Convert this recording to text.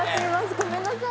ごめんなさい。